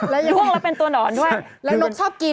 เดี๋ยวนะด้วงแล้วเป็นตัวหนอนด้วยแล้วนกชอบกิน